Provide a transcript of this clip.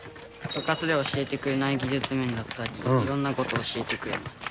部活では教えてくれない技術面だったり、いろんなことを教えてくれます。